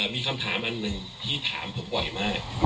มีคำถามอันนึงที่ถามผมไว้มาก